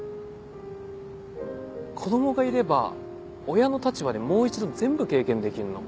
子供がいれば親の立場でもう一度全部経験できるの。